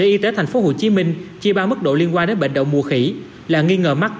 y tế tp hcm chi ba mức độ liên quan đến bệnh đầu mùa khỉ là nghi ngờ mắc